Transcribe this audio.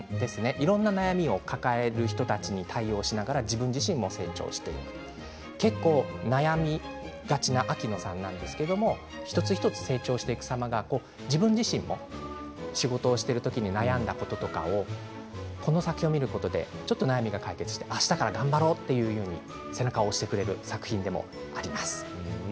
いろんな悩みを抱える人たちに対応しながら自分自身も成長していく結構、悩みがちな秋乃さんですけど一つ一つ成長していく様が自分自身が仕事してる時悩んだこととかこの作品を見ることでちょっと悩みが解決してあしたから頑張ろうと背中を押してくれる作品でもあります。